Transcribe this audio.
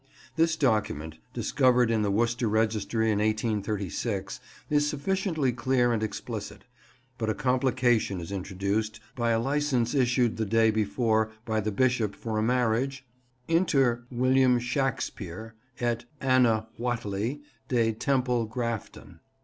This document, discovered in the Worcester Registry in 1836, is sufficiently clear and explicit; but a complication is introduced by a license issued the day before by the Bishop for a marriage "inter Wm. Shaxpere et Anna Whateley de Temple Grafton."